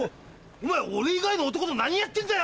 お前俺以外の男と何やってんだよ！